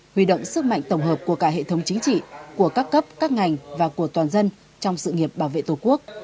huy động sức mạnh tổng hợp của cả hệ thống chính trị của các cấp các ngành và của toàn dân trong sự nghiệp bảo vệ tổ quốc